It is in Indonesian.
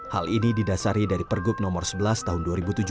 hal ini didasari dari pergub nomor sebelas tahun dua ribu tujuh belas